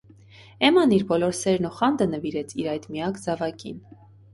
Էմման իր բոլոր սերն ու խանդը նվիրեց իր այդ միակ զավակին: